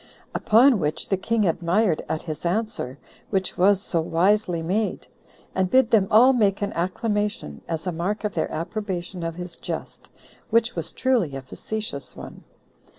Upon which the king admired at his answer, which was so wisely made; and bid them all make an acclamation, as a mark of their approbation of his jest, which was truly a facetious one.